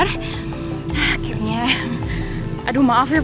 aduh maaf ya pop tinggal aku aneh banget soalnya aku nervous